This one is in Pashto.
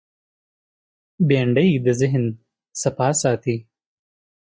بېنډۍ د ذهن صفا ساتي